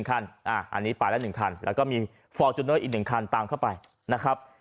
อันนี้ไปแล้ว๑คันแล้วก็มีฟอร์จูเนอร์อีก๑คันตามเข้าไปนะครับ